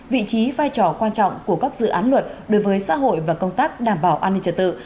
vị trí vai trò quan trọng của các dự án luật đối với xã hội và công tác đảm bảo an ninh trật tự